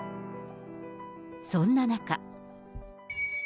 そんな中。